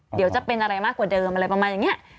เดี๋ยวจะเป็นอะไรมากกว่าเดิมอะไรประมาณอย่างนี้